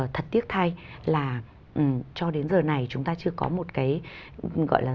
thật tiếc thay là cho đến giờ này chúng ta chưa có một cái gọi là mang tính hệ thống